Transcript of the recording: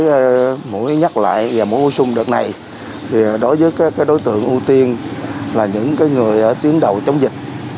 trong mũi nhắc lại và mũi bổ sung đợt này đối với đối tượng ưu tiên là những người tiến đầu chống dịch